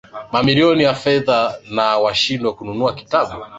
Mamilioni ya fedha na washindwe kununua kitabu.